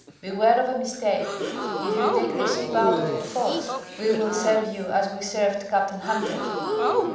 Beware of a mistake. If you take the ship out of her course we will serve you as we served Captain Hunter."